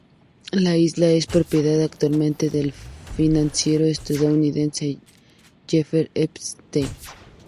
La isla es propiedad actualmente del financiero estadounidense Jeffrey Epstein.